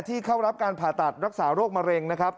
เข้ารับการผ่าตัดรักษาโรคมะเร็งนะครับ